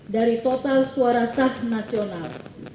dari total suara sah nasional